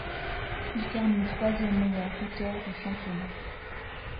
Il termine troisième meilleur buteur du championnat.